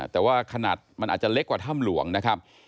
แต่ว่าขนาดมันอาจจะเล็กกว่าถ้ำหลวงนะครับ